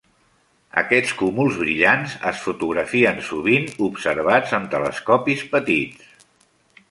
Aquest cúmuls brillants es fotografien sovint o observats amb telescopis petits.